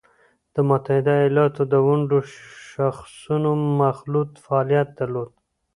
د متحده ایالاتو د ونډو شاخصونو مخلوط فعالیت درلود